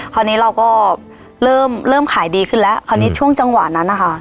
คราวนี้เราก็เริ่มเริ่มขายดีขึ้นแล้วคราวนี้ช่วงจังหวะนั้นนะคะ